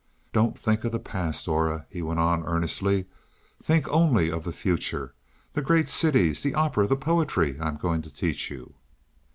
"Don't think of the past, Aura," he went on earnestly. "Think only of the future the great cities, the opera, the poetry I am going to teach you."